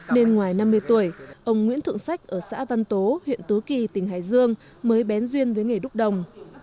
nên ngoài năm mươi tuổi ông nguyễn thượng sách ở xã văn tố huyện tứ kỳ tỉnh hải dương mới bén duyên với nghề đúc đồng